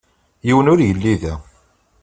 Yiwen ur yelli da.